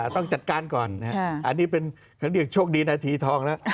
ต้องจัดการก่อนอันนี้เป็นเขาเรียกโชคดีนาทีทองแล้ว